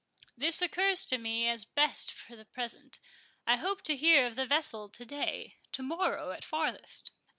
This occurs to me as best for the present—I hope to hear of the vessel to day—to morrow at farthest."